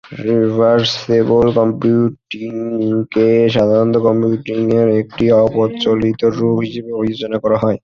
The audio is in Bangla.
রিভার্সেবল কম্পিউটিংকে সাধারণত কম্পিউটিং এর একটি অপ্রচলিত রূপ হিসেবে বিবেচনা করা হয়।